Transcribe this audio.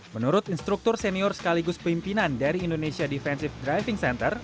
menurut instruktur senior sekaligus pimpinan dari indonesia defensive driving center